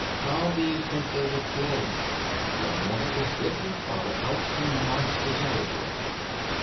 How do you think they were killed? Your mother was with your father out in Monster territory.